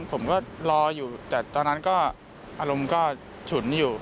ผมก็รออยู่แต่ตอนนั้นก็อารมณ์ก็ฉุนอยู่